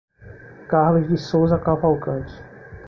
Carlos de Souza Cavalcante